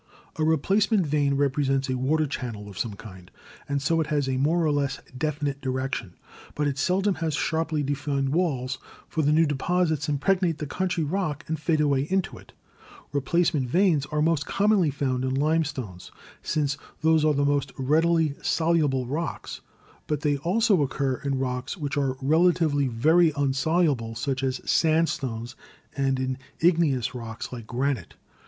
A replace ment vein represents a water channel of some kind, and so it has a more or less definite direction, but it seldom has sharply defined walls, for the new deposits impregnate the country rock and fade away into it. Replacement veins are most commonly found in limestones, since those are the most readily soluble rocks, but they also occur in rocks which are relatively very insoluble, such as sand stones, and in igneous rocks like granite.